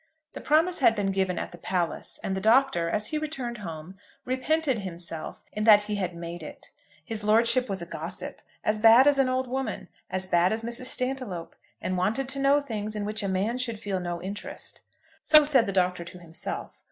The promise had been given at the Palace, and the Doctor, as he returned home, repented himself in that he had made it. His lordship was a gossip, as bad as an old woman, as bad as Mrs. Stantiloup, and wanted to know things in which a man should feel no interest. So said the Doctor to himself.